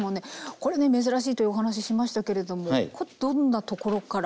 これね珍しいというお話しましたけれどもこれどんなところから？